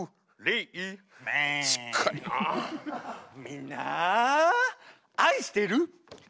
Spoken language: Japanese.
みんな愛してる！